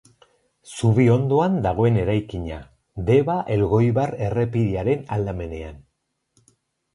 Zubi ondoan dagoen eraikina, Deba-Elgoibar errepidearen aldamenean.